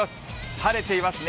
晴れていますね。